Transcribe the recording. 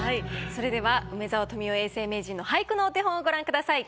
それでは梅沢富美男永世名人の俳句のお手本をご覧ください。